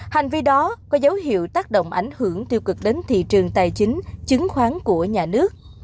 hành vi đó có dấu hiệu tác động ảnh hưởng tiêu cực đến thị trường tài chính chứng khoán của nhà nước